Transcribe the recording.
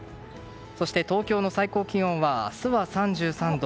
そして、東京の最高気温は明日は３３度。